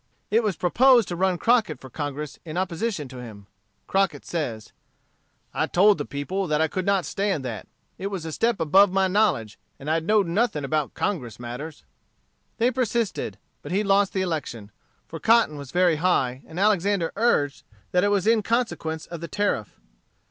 It was proposed to run Crockett for Congress in opposition to him. Crockett says: "I told the people that I could not stand that. It was a step above my knowledge; and I know'd nothing about Congress matters." They persisted; but he lost the election; for cotton was very high, and Alexander urged that it was in consequence of the Tariff.